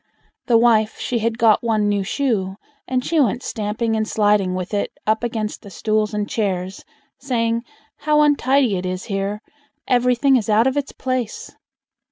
The wife she had got one new shoe, and she went stamping and sliding with it up against the stools and chairs, saying, "How untidy it is here! Everything is out of its place!"